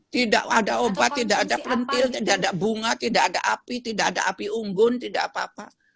tidak ada obat tidak ada pelentil tidak ada bunga tidak ada api tidak ada api unggun tidak apa apa